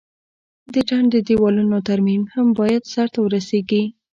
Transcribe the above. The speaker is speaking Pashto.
د ډنډ د دیوالونو ترمیم هم باید سرته ورسیږي.